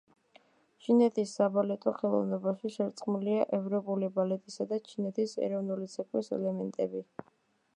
ჩინეთის საბალეტო ხელოვნებაში შერწყმულია ევროპული ბალეტისა და ჩინეთის ეროვნული ცეკვის ელემენტები.